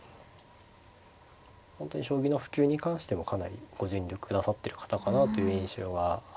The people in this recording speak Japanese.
本当に将棋の普及に関してもかなりご尽力くださってる方かなという印象があるので。